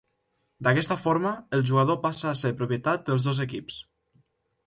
D'aquesta forma el jugador passa a ser propietat dels dos equips.